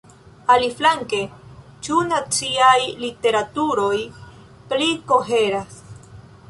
Aliflanke, ĉu naciaj literaturoj pli koheras?